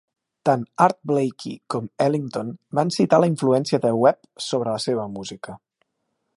Tant Art Blakey com Ellington van citar la influència de Webb sobre la seva música.